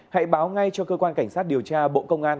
hãy báo ngay cho cơ quan cảnh sát điều tra bộ công an